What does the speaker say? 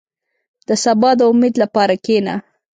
• د سبا د امید لپاره کښېنه.